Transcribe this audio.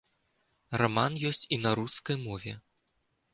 Раман ёсць і на рускай мове.